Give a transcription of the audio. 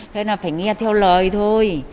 thế là phải nghe theo lời thôi